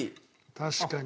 確かに。